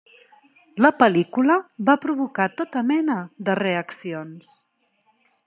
La pel·lícula va provocar tota mena de reaccions.